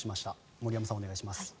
森山さん、お願いします。